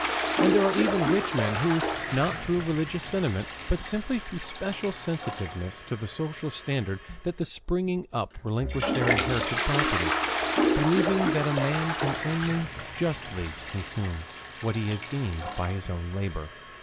And there are even rich men who, not through religious sentiment, but simply through special sensitiveness to the social standard that is springing up, relinquish their inherited property, believing that a man can only justly consume what he has gained by his own labor.